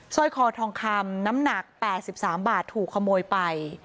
สร้อยคอทองคำน้ำหนัก๘๓บาทถูกขโมยไป